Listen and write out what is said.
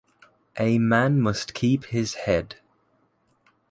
A man must keep his head.